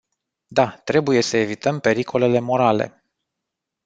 Da, trebuie să evităm pericolele morale.